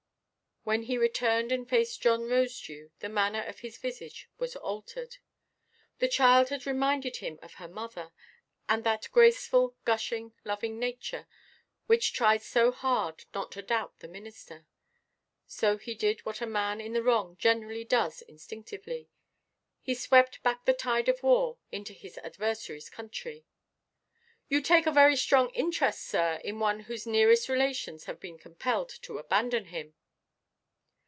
When he returned and faced John Rosedew the manner of his visage was altered. The child had reminded him of her mother, and that graceful, gushing, loving nature, which tried so hard not to doubt the minister. So he did what a man in the wrong generally does instinctively; he swept back the tide of war into his adversaryʼs country. "You take a very strong interest, sir, in one whose nearest relations have been compelled to abandon him."